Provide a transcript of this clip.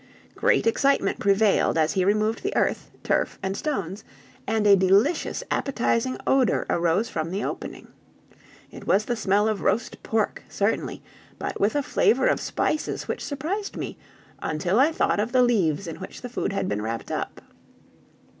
Great excitement prevailed as he removed the earth, turf, and stones, and a delicious appetizing odor arose from the opening. It was the smell of roast pork, certainly, but with a flavor of spices which surprised me, until I thought of the leaves in which the food had been wrapped up.